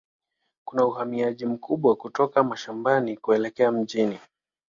Kuna uhamiaji mkubwa kutoka mashambani kuelekea mjini.